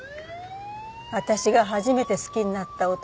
私が初めて好きになった男。